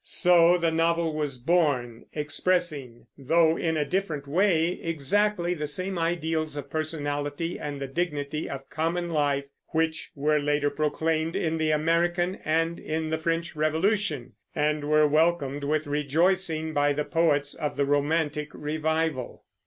So the novel was born, expressing, though in a different way, exactly the same ideals of personality and of the dignity of common life which were later proclaimed in the American and in the French Revolution, and were welcomed with rejoicing by the poets of the romantic revival.